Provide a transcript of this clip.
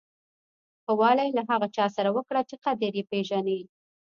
ښه والی له هغه چا سره وکړه چې قدر یې پیژني.